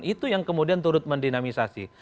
itu yang kemudian turut mendinamisasi